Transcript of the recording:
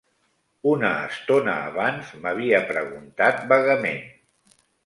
Una estona abans, m'havia preguntat, vagament